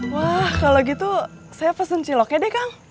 wah kalau gitu saya pesen ciloknya deh kang